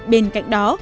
bên cạnh đó